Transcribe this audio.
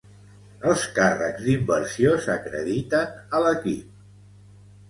Els càrrecs d'inversió s'acrediten a l'equip.